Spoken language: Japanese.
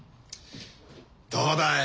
どうだい？